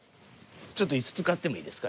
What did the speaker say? ちょっと椅子使ってもいいですか？